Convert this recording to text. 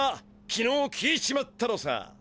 きのう聞いちまったのさ。